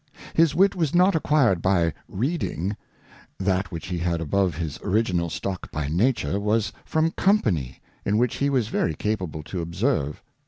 His Wit was not acquired by Reading ; that which he had above his original Stock by Nature, was from Company, in which he was very capable to observe.